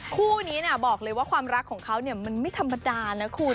คู่นี้บอกเลยว่าความรักของเขามันไม่ธรรมดานะคุณ